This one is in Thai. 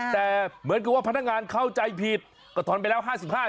แต่เหมือนกับว่าพนักงานเข้าใจผิดก็ทอนไปแล้ว๕๕บาท